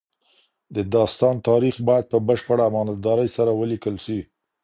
د داستان تاریخ باید په بشپړ امانتدارۍ سره ولیکل سي.